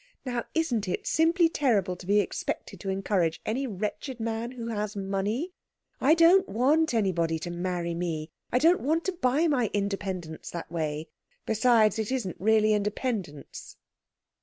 Now isn't it simply terrible to be expected to encourage any wretched man who has money? I don't want anybody to marry me. I don't want to buy my independence that way. Besides, it isn't really independence."